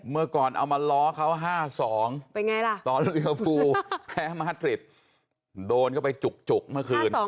เมื่อก่อนเอามาล้อเขา๕๒ตอนรุยภูแพ้มาตริตโดนเข้าไปจุกเมื่อคืน